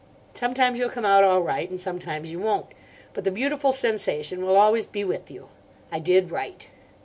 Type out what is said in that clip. Sometimes you'll come out all right, and sometimes you won't. But the beautiful sensation will always be with you: I did right.